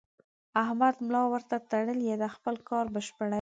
احمد ملا ورته تړلې ده؛ خپل کار بشپړوي.